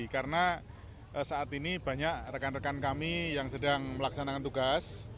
karena saat ini banyak rekan rekan kami yang sedang melaksanakan tugas